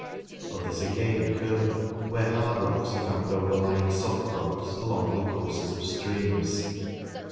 Others again occur where hard rocks are found overlying soft rocks along the courses of streams.